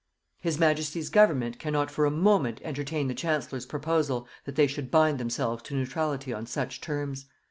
His Majesty's Government cannot for a moment entertain the Chancellor's proposal that they should bind themselves to neutrality on such terms.